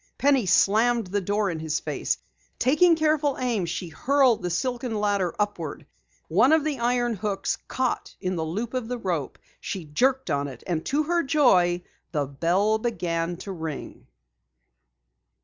Penny slammed the door in his face. Taking careful aim, she hurled the silken ladder upward. One of the iron hooks caught in the loop of the rope. She jerked on it, and to her joy, the bell began to ring.